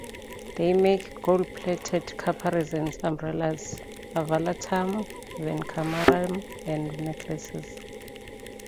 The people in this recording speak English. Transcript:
They make gold plated caparisons, umbrellas, "'alavattam", "venchamaram", and necklaces.